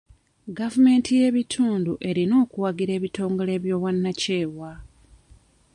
Gavumenti ey'ebitundu erina okuwagira ebitongole by'obwannakyewa.